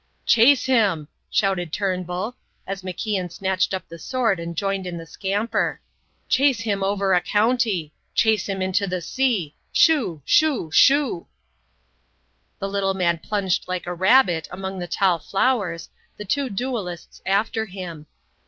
"Chase him!" shouted Turnbull as MacIan snatched up the sword and joined in the scamper. "Chase him over a county! Chase him into the sea! Shoo! Shoo! Shoo!" The little man plunged like a rabbit among the tall flowers, the two duellists after him.